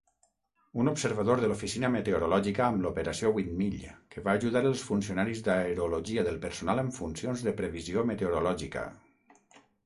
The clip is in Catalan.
Un observador de l'Oficina Meteorològica amb l'operació Windmill que va ajudar els funcionaris d'aerologia del personal amb funcions de previsió meteorològica.